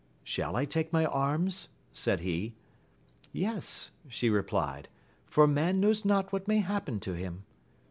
Shall I take my arms ? said he. Yes, she JepUed, for man knows not what may happen to hm.